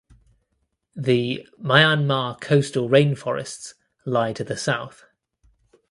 The Myanmar coastal rain forests lie to the south.